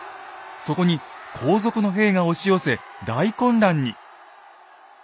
そこに後続の兵が押し寄せ大混乱に。